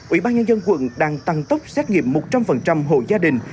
ủy ban nhân dân quận đang tăng tốc xét nghiệm một trăm linh hộ gia đình